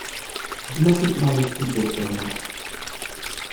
You mustn’t mind people so much.